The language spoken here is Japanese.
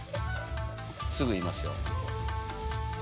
すぐいますよ。